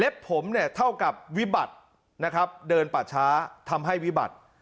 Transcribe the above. ผมเนี่ยเท่ากับวิบัตินะครับเดินป่าช้าทำให้วิบัติ